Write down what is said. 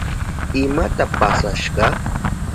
¿Imata pasashka?